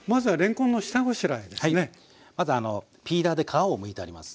まずピーラーで皮をむいてあります。